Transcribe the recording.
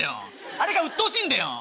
あれがうっとうしいんだよ。